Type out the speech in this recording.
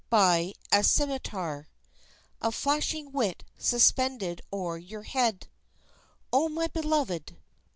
By a scimitar Of flashing wit suspended o'er your head, Oh, my Beloved?